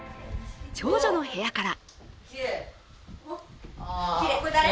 長女の部屋から。